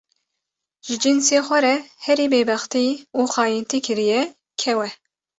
ji cinsê xwe re herî bêbextî û xayîntî kiriye kew e.